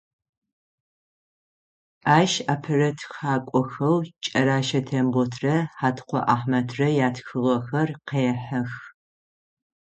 Ащ апэрэ тхакӏохэу Кӏэрэщэ Темботрэ Хьаткъо Ахьмэдрэ ятхыгъэхэр къехьэх.